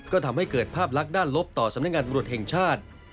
ก็ทำให้เกิดภาพลักษณ์ด้านลบต่อสำนักงานตำรวจแห่งชาติ